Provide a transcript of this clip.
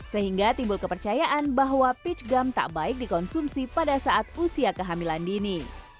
sehingga timbul kepercayaan bahwa peach gum tak baik dikonsumsi pada saat usia kehamilan dini